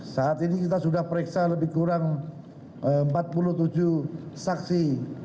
saat ini kita sudah periksa lebih kurang empat puluh tujuh saksi